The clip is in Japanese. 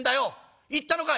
「行ったのか？」。